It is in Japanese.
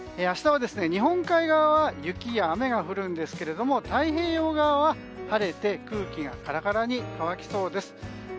明日は日本海側は雪や雨が降るんですが太平洋側は晴れて空気がカラカラに乾きそうです。